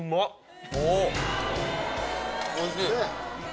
おいしい！